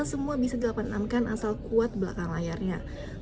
tiga semua bisa dilapan lamkan asal kuat belakang layarnya